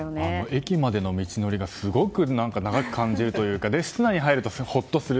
駅までの道のりがすごく長く感じるというかそれで、室内に入るとほっとする。